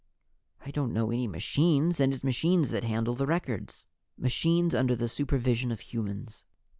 "I don't know any machines. And it's machines that handle the records." "Machines under the supervision of humans."